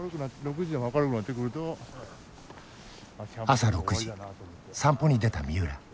朝６時散歩に出た三浦。